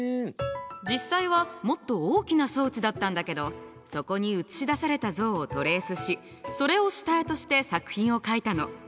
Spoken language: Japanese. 実際はもっと大きな装置だったんだけどそこに映し出された像をトレースしそれを下絵として作品を描いたの。